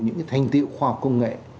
những thành tiệu khoa học công nghệ